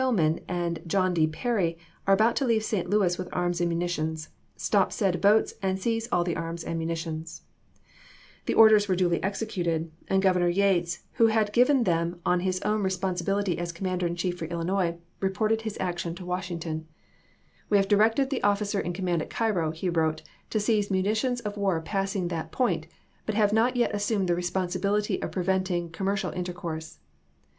Hillman and John D. Perry are about to leave St. Louis with arms and munitions. Stop said boats and seize all the arms and munitions." The orders were duly executed, and Governor Yates, who had given them on his own responsi 196 ABRAHAM LINCOLN Chap. X. 1861. Lincoln, Draft of a Letter to the Gov ernor of Tennessee, May, 1861. MS. bility as Commander in Cliief for Illinois, reported his action to Washington. " We have directed the officer in command at Cairo," he wrote, "to seize munitions of war passing that point, but have not yet assumed the responsibility of pre venting commercial intercourse."